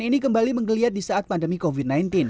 ini kembali menggeliat di saat pandemi covid sembilan belas